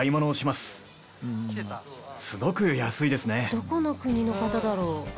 どこの国の方だろう？